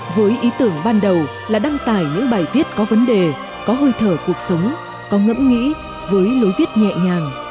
với ý tưởng ban đầu là đăng tải những bài viết có vấn đề có hơi thở cuộc sống có ngẫm nghĩ với lối viết nhẹ nhàng